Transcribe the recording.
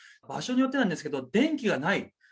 場所によってなんですけど、電気がない。